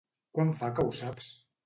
Quan fa que ho saps?